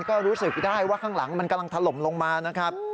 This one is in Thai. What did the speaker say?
ก็รู้สึกได้ว่าข้างหลังมันกำลังถล่มลงมานะครับ